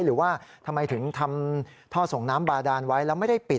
หรือว่าทำไมถึงทำท่อส่งน้ำบาดานไว้แล้วไม่ได้ปิด